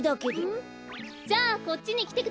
うん？じゃあこっちにきてください。